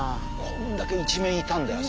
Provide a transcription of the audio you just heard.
こんだけ一面いたんだよ